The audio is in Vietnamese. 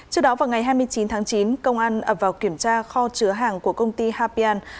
trước đó vào ngày hai mươi chín tháng chín công an ập vào kiểm tra kho chứa hàng của công ty hapian